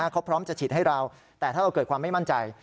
เขาพร้อมจะฉีดให้เราแต่ถ้าเราเกิดความไม่มั่นใจ